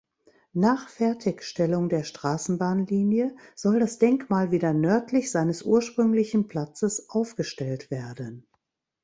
Nach Fertigstellung der Straßenbahnlinie soll das Denkmal wieder nördlich seines ursprünglichen Platzes aufgestellt werden.